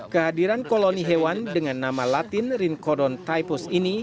kehadiran koloni hewan dengan nama latin rincodon typhus ini